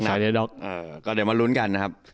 ก็เดี๋ยวมาลุ้นกันนะครับ